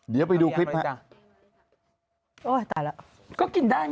เดี๋ยวคุณต้องดูตอนโดม